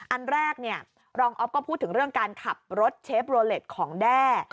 อันแรกเนี่ยรองอ๊อฟก็พูดถึงเรื่องการขับรถเชฟโรเล็ตของแด้